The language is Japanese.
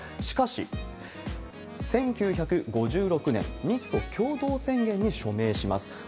しかし１９５６年、日ソ共同宣言に署名します。